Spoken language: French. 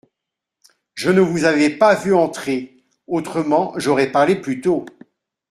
Je ne vous avais pas vu entrer, autrement j'aurais parlé plus tôt.